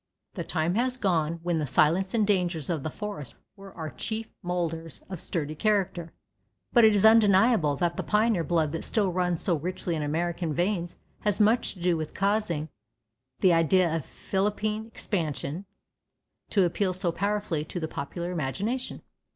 The time has gone when the silence and dangers of the forest were our chief molders of sturdy character, but it is undeniable that the pioneer blood that still runs so richly in American veins has much to do with causing the idea of Philippine expansion to appeal so powerfully to the popular imagination.